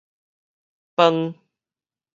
方